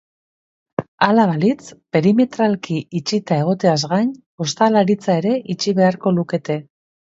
Hala balitz, perimetralki itxita egoteaz gain, ostalaritza ere itxi beharko lukete.